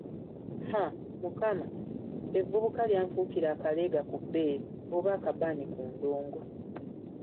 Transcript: Haaa! Mukama, evvubuka lyanfuukira akaleega ku bbeere, oba akabaani ku ndongo.